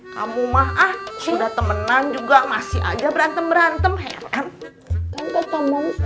kamu maaf sudah temenan juga masih aja berantem berantem heran